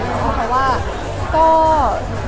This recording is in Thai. มันก็คงต้องสนิทกันมากขึ้นแล้วเนี่ย